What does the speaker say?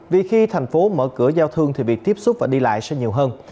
vì khi thành phố mở cửa giao thương thì việc tiếp xúc và đi lại sẽ nhiều hơn